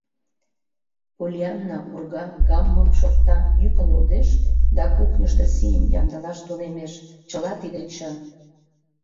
Поллианна урга, гаммым шокта, йӱкын лудеш да кухньышто сийым ямдылаш тунемеш, чыла тиде чын.